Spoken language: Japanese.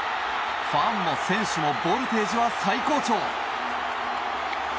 ファンも選手もボルテージは最高潮！